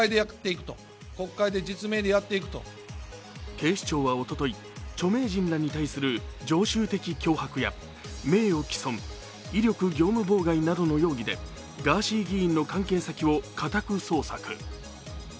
警視庁はおととい、著名人らに対する常習的脅迫や名誉毀損、威力業務妨害などの容疑でガーシー議員の関係先を家宅捜索。